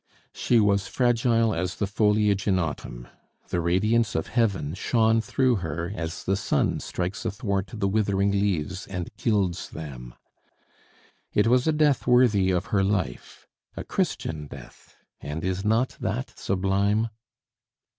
She was fragile as the foliage in autumn; the radiance of heaven shone through her as the sun strikes athwart the withering leaves and gilds them. It was a death worthy of her life, a Christian death; and is not that sublime?